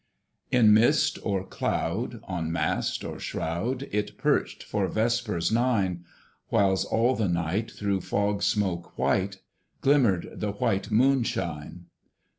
In mist or cloud, on mast or shroud, It perched for vespers nine; Whiles all the night, through fog smoke white, Glimmered the white Moon shine.